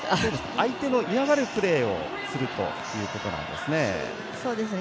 相手の嫌がるプレーをするということですね。